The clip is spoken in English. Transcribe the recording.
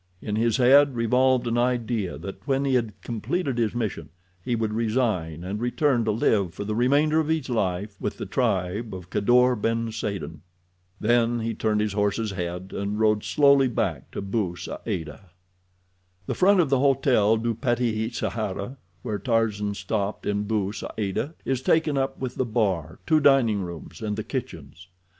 In his head revolved an idea that when he had completed his mission he would resign and return to live for the remainder of his life with the tribe of Kadour ben Saden. Then he turned his horse's head and rode slowly back to Bou Saada. The front of the Hotel du Petit Sahara, where Tarzan stopped in Bou Saada, is taken up with the bar, two dining rooms, and the kitchens.